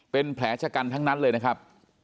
เป็นแผลชะกันทั้งนั้นเลยนะครับ